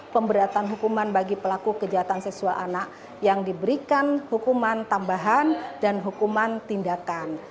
pemberatan hukuman bagi pelaku kejahatan seksual anak yang diberikan hukuman tambahan dan hukuman tindakan